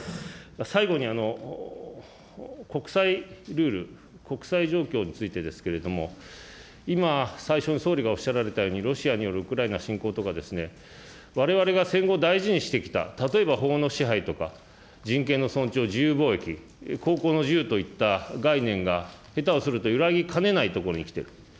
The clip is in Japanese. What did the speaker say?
最後に、国際ルール、国際状況についてですけれども、今、最初に総理がおっしゃられたようにロシアによるウクライナ侵攻とか、われわれが戦後大事にしてきた、例えば、法の支配とか人権の尊重、自由貿易、航行の自由といった概念が、下手をすると揺らぎかねないところにきている。